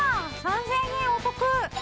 ３０００円お得！